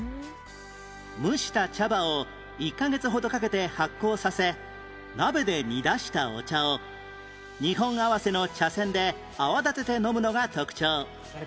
蒸した茶葉を１カ月ほどかけて発酵させ鍋で煮出したお茶を２本合わせの茶筅で泡立てて飲むのが特徴